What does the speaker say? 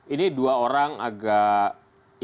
ini dua orang agak